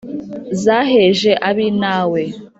Zaheje ab' i Nawe